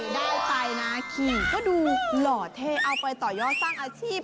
ได้ไปนะขี่ก็ดูหล่อเท่เอาไปต่อยอดสร้างอาชีพ